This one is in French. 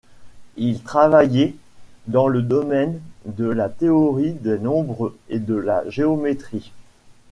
Il travaillé dans le domaine de la théorie des nombres et de la géométrie.